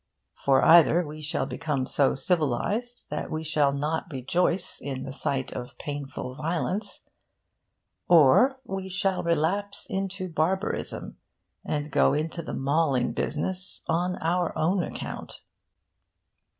For either we shall become so civilised that we shall not rejoice in the sight of painful violence, or we shall relapse into barbarism and go into the mauling business on our own account.